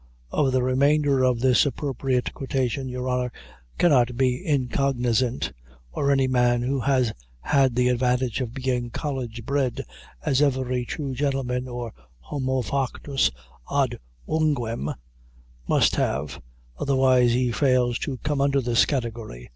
Of the remainder of this appropriate quotation, your honor cannot be incognizant, or any man who has had the advantage of being college bred, as every true gentleman or 'homo factus ad unguem' must have, otherwise he fails to come under this category.